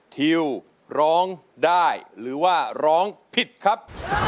ทิวร้องได้หรือว่าร้องผิดครับ